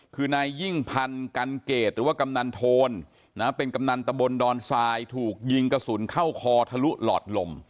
คือนายยิ่งพันธ์กันเกดหรือว่ากำนันโทนเป็นกำนันตะบนดอนทรายถูกยิงกระสุนเข้าคอทะลุหลอดลม